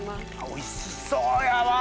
おいしそうやわ！